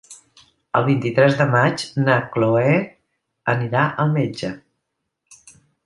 El vint-i-tres de maig na Chloé anirà al metge.